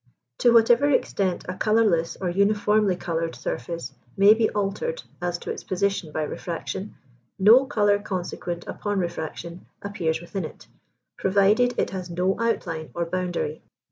To whatever extent a colourless or uniformly coloured surface may be altered as to its position by refraction, no colour consequent upon refraction appears within it, provided it has no outline or boundary.